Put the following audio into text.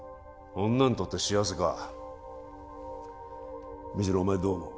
女にとって幸せか水野お前どう思う？